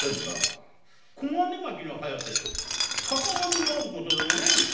小金牧の「疾風」とかかわりのあることではないのか？